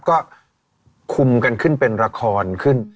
ก็คุมกันขึ้นเป็นละครขึ้น